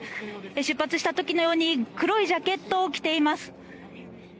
出発した時のように黒いジャケットを着ています。